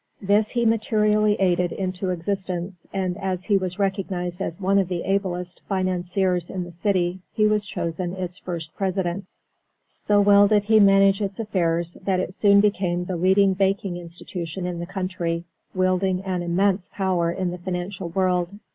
This he materially aided into existence, and as he was recognized as one of the ablest financiers in the city, he was chosen its first President. So well did he manage its affairs that it soon became the leading banking institution in the country, wielding an immense power in the financial world.